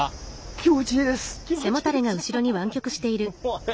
「気持ちいいです」。